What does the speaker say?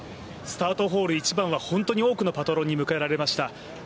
スタートホール１番は本当に多くのパトロンに迎えられました。